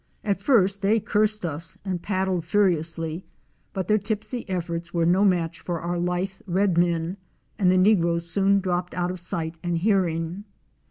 At first they cursed us and paddled furiously, but their tipsy efforts were no match for our lithe red men and the negroes soon dropped out of sight and hearing.